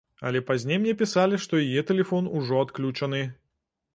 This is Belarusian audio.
Але пазней мне пісалі, што яе тэлефон ужо адключаны.